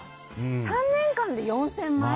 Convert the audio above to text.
３年間で４０００枚？